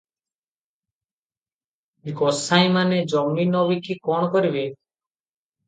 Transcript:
ଗୋସାଇଁମାନେ ଜମି ନ ବିକି କ'ଣ କରିବେ ।